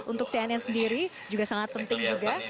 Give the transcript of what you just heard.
untuk cnn sendiri juga sangat penting juga